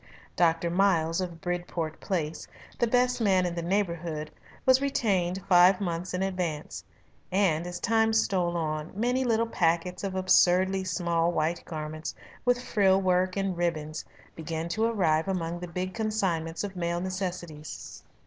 Dr. Miles of Bridport Place, the best man in the neighbourhood, was retained five months in advance, and, as time stole on, many little packets of absurdly small white garments with frill work and ribbons began to arrive among the big consignments of male necessities.